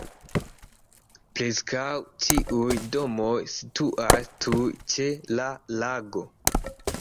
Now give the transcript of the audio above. Preskaŭ ĉiuj domoj situas tuj ĉe la lago.